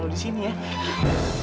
fuk kak slip